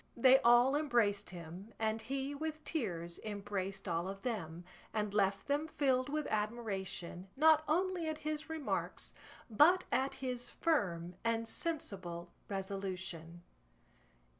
They all embraced him, and he with tears embraced all of them, and left them filled with admiration not only at his remarks but at his firm and sensible resolution.